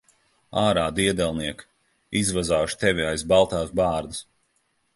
Ārā, diedelniek! Izvazāšu tevi aiz baltās bārdas.